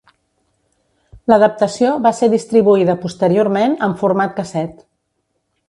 L'adaptació va ser distribuïda posteriorment en format casset.